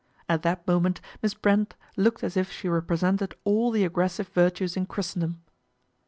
At that moment Miss Brent looked as if she represented all the aggres sive virtues in Christendom.